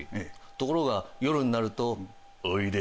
ところが夜になると「おいで」